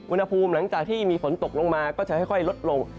อุณหภูมิหลังจากที่มีฝนตกลงมาก็จะค่อยลดลง